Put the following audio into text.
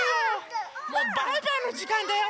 もうバイバイのじかんだよ！